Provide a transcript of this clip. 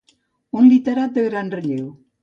Un literat de gran relleu.